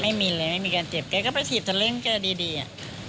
ไม่มีอะไรไม่มีการเจ็บไอนะเธอไปฉิดเทอร์เล้นก็ดีอะ